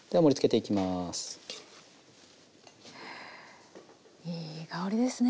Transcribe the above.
いい香りですね